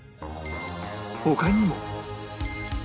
他にも